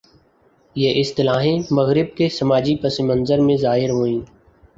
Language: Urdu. یہ اصطلاحیں مغرب کے سماجی پس منظر میں ظاہر ہوئیں۔